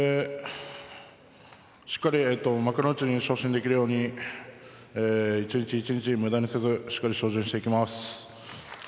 しっかり幕内に昇進できるように一日一日無駄にせずしっかり精進していきます。